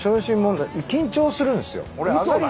緊張するんすよ。